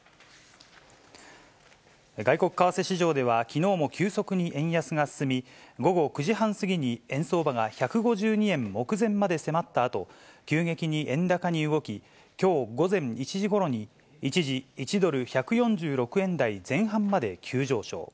外国為替市場では、きのうも急速に円安が進み、午後９時半過ぎに円相場が１５２円目前まで迫ったあと、急激に円高に動き、きょう午前１時ごろに、一時、１ドル１４６円台前半まで急上昇。